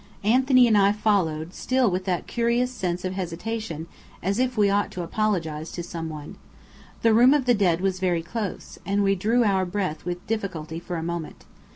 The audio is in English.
Anthony and I followed, still with that curious sense of hesitation, as if we ought to apologize to some one. The room of the dead was very close, and we drew our breath with difficulty for a moment.